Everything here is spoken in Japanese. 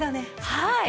はい。